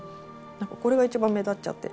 これが一番目立っちゃって。